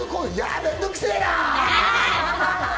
めんどくせえな！